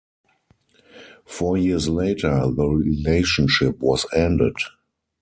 Four years later, the relationship was ended.